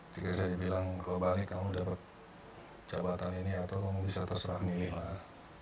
jika saya dibilang kalau bali kamu dapat jabatan ini atau kamu bisa terserah milih lah